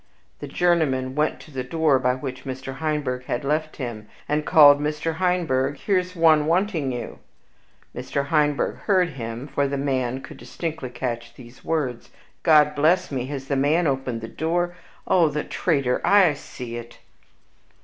The journeyman went to the door by which Mr. Heinberg had left him, and called, "Mr. Heinberg, here's one wanting you!" Mr. Heinberg heard him, for the man could distinctly catch these words: "God bless me! has the man opened the door? O, the traitor! I see it."